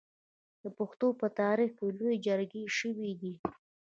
د پښتنو په تاریخ کې لویې جرګې شوي دي.